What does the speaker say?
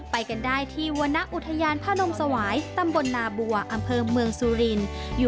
ไปกันได้ที่วรรณอุทยานพระนมสวายตำบลนาบัวอำเภอเมืองสุรินทร์